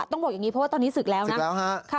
ต้องบอกอย่างนี้เพราะว่าตอนนี้ศึกแล้วนะ